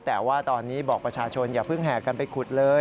แต่ว่าตอนนี้บอกประชาชนอย่าเพิ่งแห่กันไปขุดเลย